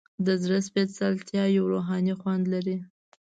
د زړه سپیڅلتیا یو روحاني خوند لري.